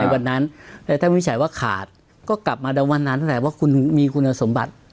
วันนั้นและถ้าวิจัยว่าขาดก็กลับมาดังนั้นแหละว่าคุณมีคุณสมบัติ